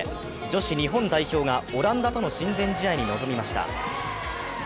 女子日本代表がオランダとの親善試合に臨みました。